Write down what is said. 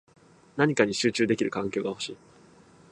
何かに集中できる環境が欲しい